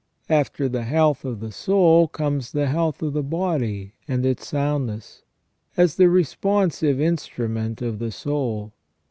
After the health of the soul comes the health of the body and its soundness, as the responsive instrument of the soul.